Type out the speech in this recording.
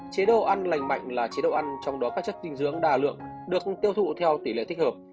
chế độ ăn lành mạnh là chế độ ăn trong đó các chất dinh dưỡng đa lượng được tiêu thụ theo tỷ lệ thích hợp